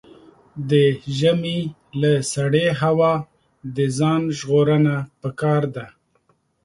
د ژمي له سړې هوا د ځان ژغورنه پکار ده.